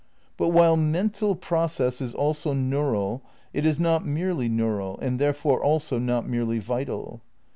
* "But while mental process is also neural, it is not merely neural, and therefore also not merely vital."